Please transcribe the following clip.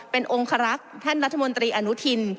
เป็นองคารักษ์ท่านรัฐมนตรีอนุทิน